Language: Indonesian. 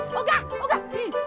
oh enggak oh enggak